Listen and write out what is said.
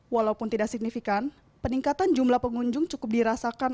walaupun tidak signifikan peningkatan jumlah pengunjung cukup dirasakan